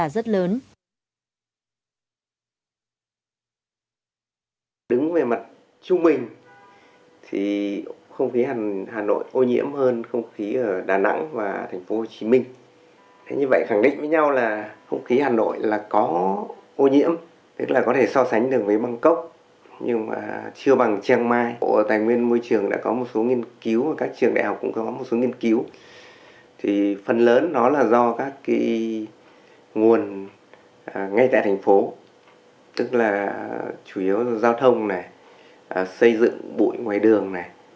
ra là rất lớn